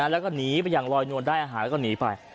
แล้วก็หนีไปอย่างลอยนวลได้อาหารแล้วก็หนีไป